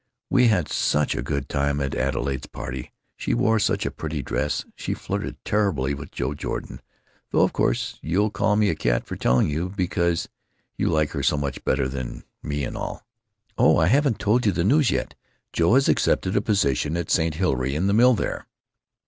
We had such a good time at Adelaide's party she wore such a pretty dress. She flirted terribly with Joe Jordan though of course you'll call me a cat for telling you because you like her so much better than me & all. Oh I haven't told you the news yet Joe has accepted a position at St. Hilary in the mill there.